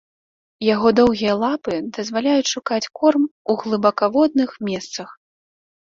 Яго доўгія лапы дазваляюць шукаць корм у глыбакаводных месцах.